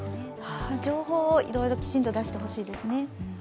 情報をきちんと出してほしいですね。